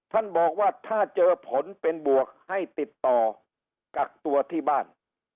ท่านบอกว่าถ้าเจอผลเป็นบวกให้ติดต่อกักตัวที่บ้าน